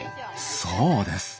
そうです。